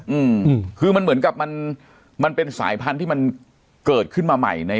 อืมคือมันเหมือนกับมันมันเป็นสายพันธุ์ที่มันเกิดขึ้นมาใหม่ใน